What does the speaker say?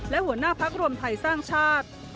และหัวหน้าพักรวมไทยสร้างชาติ